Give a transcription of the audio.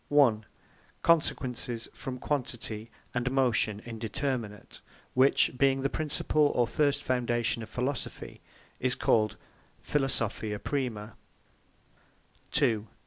a. Consequences from Quantity, and Motion Indeterminate; which, being the Principles or first foundation of Philosophy, is called Philosophia Prima PHILOSOPHIA PRIMA b.